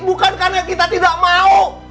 bukan karena kita tidak mau